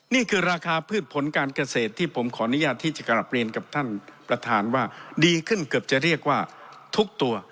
นี่คือราคาพืชผลการเกษตรที่ผมขออนุญาตที่จะกลับเรียนกับท่านประธานว่าดีขึ้นเกือบจะเรียกว่าทุกตัว